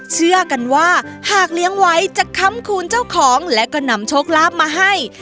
เชื่อกันว่าหากเลี้ยงไว้จะค้ำคูณเจ้าของและก็นำโชคลาภมาให้